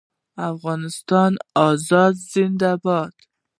د افغانستان ازادي زنده باد.